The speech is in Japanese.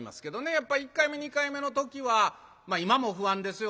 やっぱ１回目２回目の時はまあ今も不安ですよ